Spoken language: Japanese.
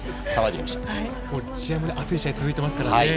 試合も熱い試合続いていますから。